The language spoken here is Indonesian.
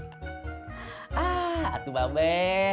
ah atuh babe